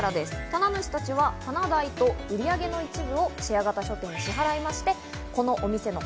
棚主たちは棚代と売り上げの一部をシェア型書店に支払いまして、このお店の